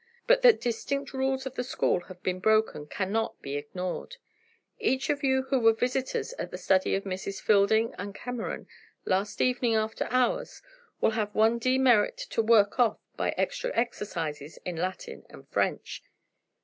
But that distinct rules of the school have been broken cannot be ignored. Each of you who were visitors at the study of Misses Fielding and Cameron last evening after hours will have one demerit to work off by extra exercises in Latin and French.